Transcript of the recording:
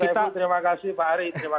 terima kasih pak ari